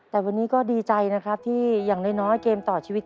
แต่วันนี้ก็ดีใจนะครับที่อย่างน้อยเกมต่อชีวิต